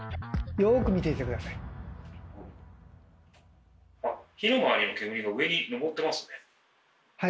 よく見ていて下さい。